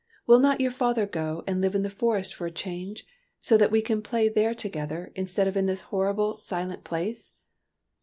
'' Will not your father go and live in the forest for a change, so that we can play there together, instead of in this horrible, silent place?"